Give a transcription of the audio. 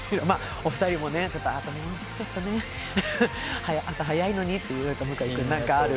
お二人もね、ちょっとね、朝早いのにって向井君、何かある？